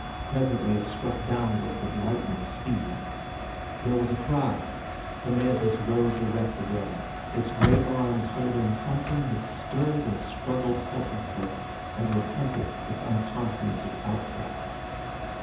Presently it struck downward with lightning speed. There was a cry. The mantis rose erect again, its great arms holding something that stirred and struggled helplessly, and repented its unconsonanted outcry.